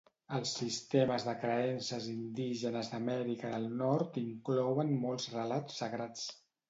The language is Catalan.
Els sistemes de creences indígenes d'Amèrica del Nord inclouen molts relats sagrats.